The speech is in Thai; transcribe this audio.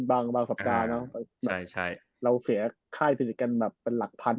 บางสัปดาห์เนอะเราเสียค่ายสนิทกันแบบเป็นหลักพัน